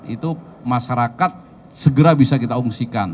itu masyarakat segera bisa kita ungsikan